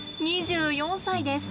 ２４歳です。